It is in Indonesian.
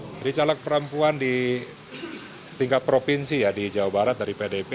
jadi caleg perempuan di tingkat provinsi ya di jawa barat dari pdp